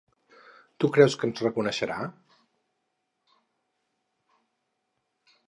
Tu creus que ens reconeixerà?